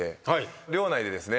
寮内でですね